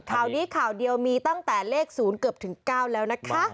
ข่าวนี้ข่าวเดียวมีตั้งแต่เลข๐เกือบถึง๙แล้วนะคะ